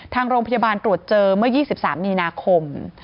ทางโรงพยาบาลตรวจเจอเมื่อ๒๓มีนาคม